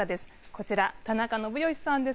こちら田中伸佳さんです。